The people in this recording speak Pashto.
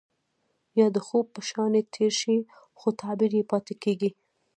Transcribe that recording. يا د خوب په شانې تير شي خو تعبير يې پاتې کيږي.